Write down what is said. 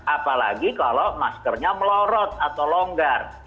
apalagi kalau maskernya melorot atau longgar